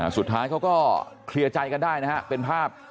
สุดท้ายเขาก็เคลียร์ใจกันได้นะฮะเป็นภาพ